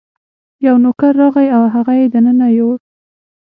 یو نوکر راغی او هغه یې دننه یووړ.